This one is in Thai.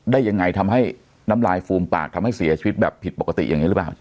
ได้ยังไงทำให้น้ำลายฟูมปากทำให้เสียชีวิตแบบผิดปกติอย่างนี้หรือเปล่า